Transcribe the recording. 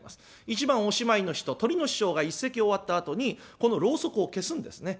一番おしまいの人トリの師匠が一席終わったあとにこのろうそくを消すんですね。